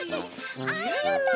ありがとう。